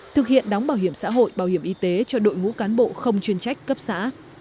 thực hiện đóng bảo hiểm xã hội bảo hiểm y tế cho đội ngũ cán bộ không chuyên trách cấp xã